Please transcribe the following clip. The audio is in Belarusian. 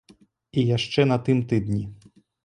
І яшчэ на тым тыдні.